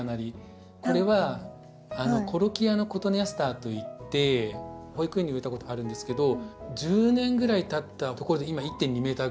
これはコロキアのコトネアスターといって保育園に植えたことがあるんですけど１０年ぐらいたったところで今１．２ｍぐらい。